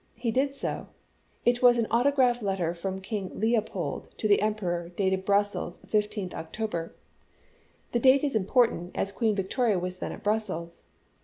He did so ; it was an autograph letter from King Leopold to the Emperor, dated Brussels, 15th Octo 1862. ber. The date is important, as Queen Victoria was then at Brussels.